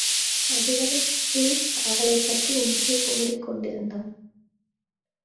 அதுவரை ஹெர்க்குவிஸ் அவளைப் பற்றி நெஞ்சிலே குமுறிக்கொண்டிருந்தான்.